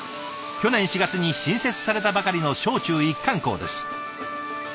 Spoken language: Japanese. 去年４月に新設されたばかりの小中一貫校です。